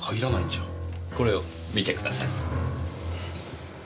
これを見てください。